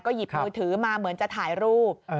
หยิบมือถือมาเหมือนจะถ่ายรูป